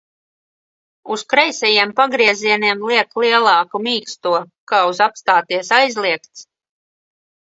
Uz kreisajiem pagriezieniem liek lielāku mīksto, kā uz apstāties aizliegts.